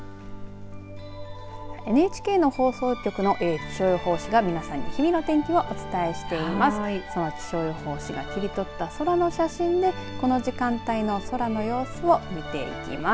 ＮＨＫの放送局の気象予報士の皆さんが日々の天気をお伝えします。